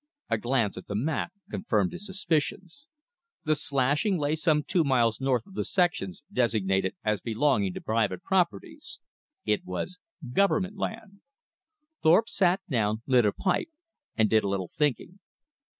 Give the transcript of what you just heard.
A glance at the map confirmed his suspicions. The slashing lay some two miles north of the sections designated as belonging to private parties. It was Government land. Thorpe sat down, lit a pipe, and did a little thinking.